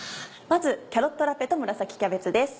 まずキャロットラペと紫キャベツです。